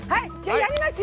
やりますよ。